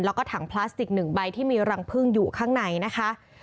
แล้วก็ถังพลาสติกหนึ่งใบที่มีรังพึ่งอยู่ข้างในนะคะ